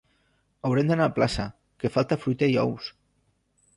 Haurem d'anar a plaça, que falta fruita i ous.